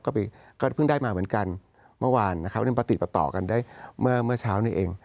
ก็เพิ่งได้มาเหมือนกันเมื่อวานนะครับแล้วก็ติดต่อกันได้เมื่อเช้าเนี่ยเอง